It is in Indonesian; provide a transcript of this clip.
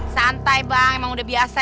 santai bang emang udah biasa